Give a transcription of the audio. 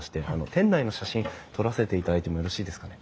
店内の写真撮らせていただいてもよろしいですかね？